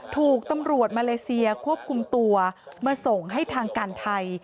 ถูกตำรวจมาเลเซียควบคุมตัวมาส่งให้ทางการไทย